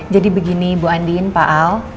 jadi begini bu andien pak al